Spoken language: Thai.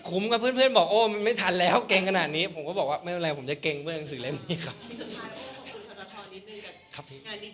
กับเพื่อนบอกโอ้มันไม่ทันแล้วเก่งขนาดนี้ผมก็บอกว่าไม่เป็นไรผมจะเกรงเพื่อนหนังสือเล่มนี้ครับ